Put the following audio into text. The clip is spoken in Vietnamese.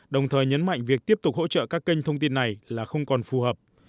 đồng thời nhấn mạnh việc tiếp tục hỗ trợ các kênh thông tin này là không còn phù hợp